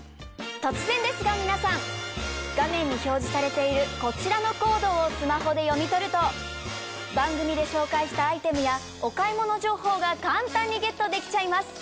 突然ですが皆さん画面に表示されているこちらのコードをスマホで読み取ると番組で紹介したアイテムやお買い物情報が簡単にゲットできちゃいます！